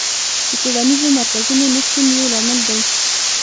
د څېړنیزو مرکزونو نشتون یو لامل دی.